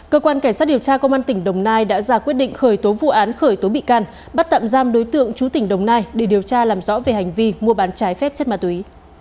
cơ quan cảnh sát điều tra công an tỉnh đồng nai đã ra quyết định khởi tố vụ án khởi tố bị can bắt tạm giam đối tượng chú tỉnh đồng nai để điều tra làm rõ về hành vi mua bán trái phép chất ma túy